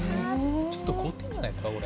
ちょっと凍ってるんじゃないですか、これ。